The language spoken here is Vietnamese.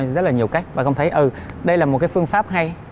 rất là nhiều cách và công thấy đây là một phương pháp hay